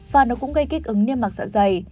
và nó cũng gây kích ứng niêm mạc dạ dày